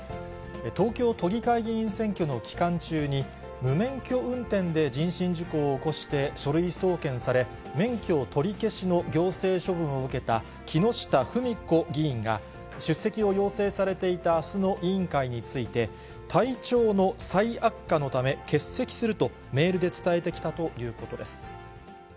東京都議会議員選挙の期間中に、無免許運転で人身事故を起こして書類送検され、免許取り消しの行政処分を受けた木下富美子議員が、出席を要請されていたあすの委員会について、体調の再悪化のため欠席すると、メールで伝えてきたということです。